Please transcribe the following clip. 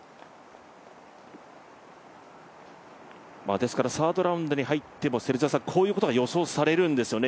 ですからサードラウンドに入っても、こういうことが予想されるんですよね。